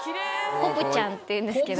ぽぷちゃんっていうんですけど。